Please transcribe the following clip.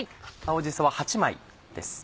青じそは８枚です。